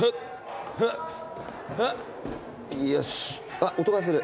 あっ音がする。